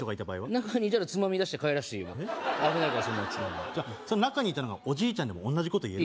中にいたらつまみ出して帰らしていいよ危ないからそんな奴中にいたのがおじいちゃんでも同じこと言える？